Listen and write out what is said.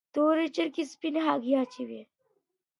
¬ توري چرگي سپيني هگۍ اچوي.